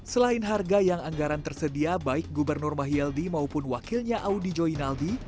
selain harga yang anggaran tersedia baik gubernur mahyaldi maupun wakilnya audi joinaldi